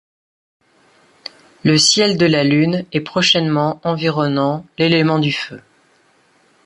Le ciel de la Lune est prochainement environnant l'élément du Feu.